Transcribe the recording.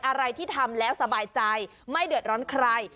อะไรที่ทำแล้วสบายใจไม่เดือดร้อนใคร